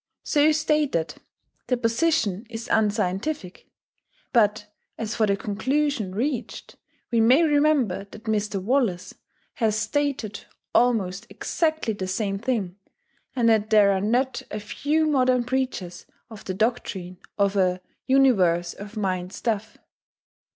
So stated, the position is unscientific; but as for the conclusion reached, we may remember that Mr. Wallace has stated almost exactly the same thing, and that there are not a few modern preachers of the doctrine of a "universe of mind stuff."